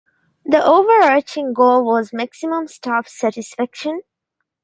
The overarching goal was maximum staff satisfaction.